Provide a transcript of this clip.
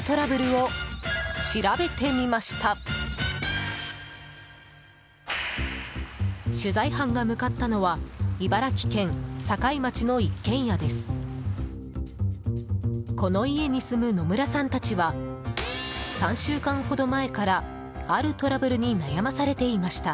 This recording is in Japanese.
この家に住む野村さんたちは３週間ほど前からあるトラブルに悩まされていました。